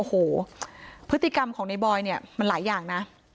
โอ้โหพฤติกรรมของในบอยเนี่ยมันหลายอย่างนะ